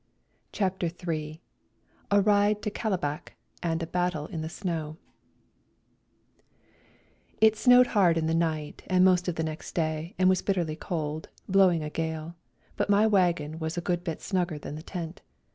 CHAPTER III A RIDE TO KALABAC AND A BATTLE IN THE SNOW It snowed hard in the night and most of the next day and was bitterly cold, blowing a gale, but my wagon was a good bit snugger than the tent.